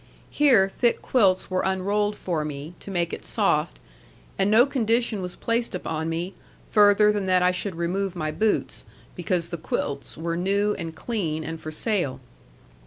Here thick quilts were unrolled for me, to make it soft; and no condition was placed upon me, further than that I should remove my boots, because the quilts were new, and clean, and for sale.